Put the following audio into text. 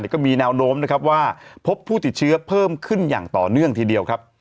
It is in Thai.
ก็มีแนวโน้มนะครับว่าพบผู้ติดเชื้อเพิ่มขึ้นอย่างต่อเนื่องทีเดียวครับ